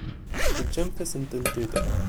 Teǧǧamt-asen-tent-id.